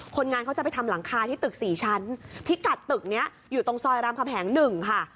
คนงานเขาจะไปทำหลังคาที่ตึก๔ชั้นพิกัดตึกนี้อยู่ตรงซอยรามคำแหง๑ค่ะ